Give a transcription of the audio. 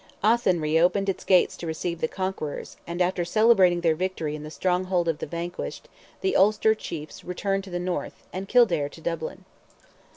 Athenry opened its gates to receive the conquerors, and after celebrating their victory in the stronghold of the vanquished, the Ulster chiefs returned to the North, and Kildare to Dublin.